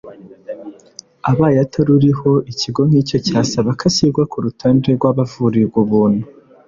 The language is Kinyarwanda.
abaye ataruriho ikigo nk’icyo cyasaba ko ashyirwa k’urutonde rw’abavurirwa ubuntu.